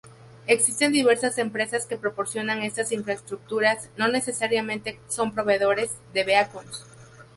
Existen diversas empresas que proporcionan estas infraestructuras, no necesariamente son proveedores de beacons.